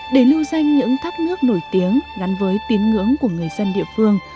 để lưu danh những thác nước nổi tiếng gắn với tín ngưỡng của người dân địa phương